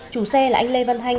chủ xe là anh lê văn hanh